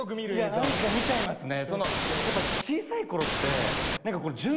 いや何か見ちゃいますね。